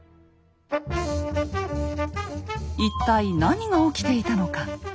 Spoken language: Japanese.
一体何が起きていたのか。